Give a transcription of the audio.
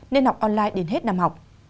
nên học online đến hết năm học